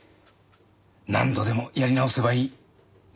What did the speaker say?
何度でもやり直せばいい。